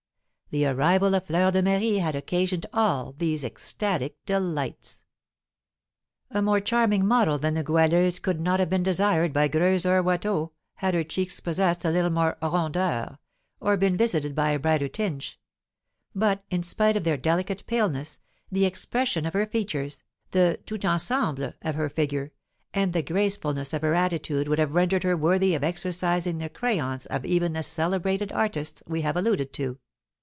The arrival of Fleur de Marie had occasioned all these ecstatic delights. A more charming model than the Goualeuse could not have been desired by Greuze or Watteau, had her cheeks possessed a little more rondeur or been visited by a brighter tinge; but, spite of their delicate paleness, the expression of her features, the tout ensemble of her figure, and the gracefulness of her attitude would have rendered her worthy of exercising the crayons of even the celebrated artists we have alluded to.